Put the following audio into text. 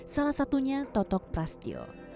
salah satunya totok prastyo